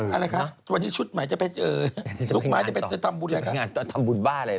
เอออะไรคะวันนี้ชุดใหม่จะไปลูกบ้านจะไปทำบุญบ้าเลย